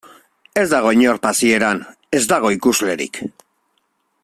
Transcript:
Ez dago inor pasieran, ez dago ikuslerik.